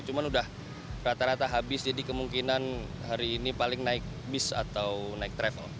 cuma udah rata rata habis jadi kemungkinan hari ini paling naik bis atau naik travel